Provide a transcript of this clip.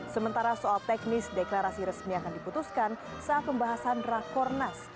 sementara soal teknis deklarasi resmi akan diputuskan saat pembahasan rakornas